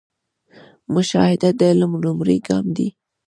مشاهده د علم لومړی ګام دی